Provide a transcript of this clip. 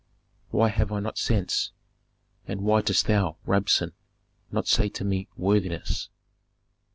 "Why have I not sense, and why dost thou, Rabsun, not say to me worthiness?"